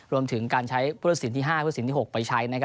รวมถึงการใช้ผู้ตัดสินที่๕ผู้สินที่๖ไปใช้